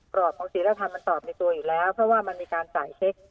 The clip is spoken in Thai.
รอบของศิลธรรมมันตอบในตัวอยู่แล้วเพราะว่ามันมีการจ่ายเช็ค